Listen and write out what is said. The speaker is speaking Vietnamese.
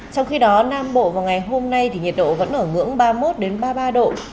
trong khi đó nam bộ vào ngày hôm nay thì nhiệt độ vẫn ở ngưỡng ba mươi một ba mươi ba độ